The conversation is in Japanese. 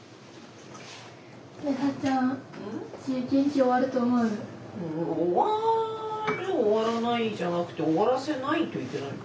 終わる終わらないじゃなくて終わらせないといけない。